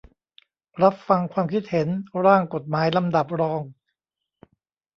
รับฟังความคิดเห็น ร่างกฎหมายลำดับรอง